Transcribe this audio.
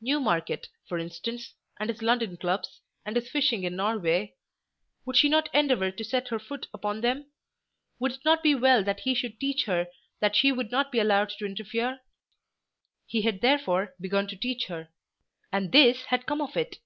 Newmarket for instance, and his London clubs, and his fishing in Norway, would she not endeavour to set her foot upon them? Would it not be well that he should teach her that she would not be allowed to interfere? He had therefore begun to teach her, and this had come of it!